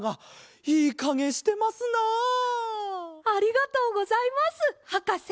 ありがとうございますはかせ！